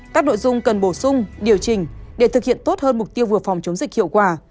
các nội dung cần bổ sung điều chỉnh để thực hiện tốt hơn mục tiêu vừa phòng chống dịch hiệu quả